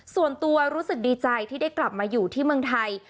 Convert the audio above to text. ส่วนตัวรู้สึกดีใจที่ได้กลับมาอยู่ที่เมืองไทย